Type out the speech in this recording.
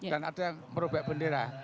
dan ada yang merubah bendera